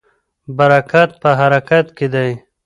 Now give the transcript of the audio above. برکت په حرکت کې دی.